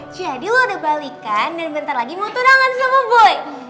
jadi lo udah balikan dan bentar lagi mau tunangan sama boy